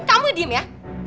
kamu diem ya